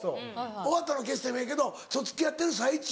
終わったのは消してもええけどその付き合ってる最中。